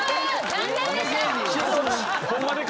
残念でした！